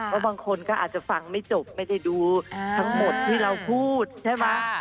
เพราะบางคนก็อาจจะฟังไม่จบไม่ได้ดูทั้งหมดที่เราพูดใช่ไหม